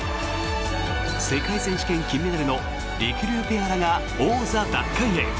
世界選手権金メダルのりくりゅうペアらが王座奪還へ。